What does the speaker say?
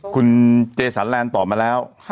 คุณเจสันแลนด์ตอบมาแล้ว